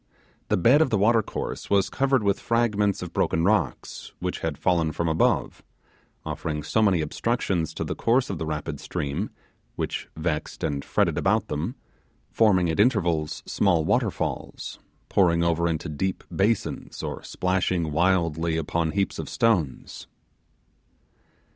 The bed of the watercourse was covered with fragments of broken rocks, which had fallen from above, offering so many obstructions to the course of the rapid stream, which vexed and fretted about them, forming at intervals small waterfalls, pouring over into deep basins, or splashing wildly upon heaps of stones.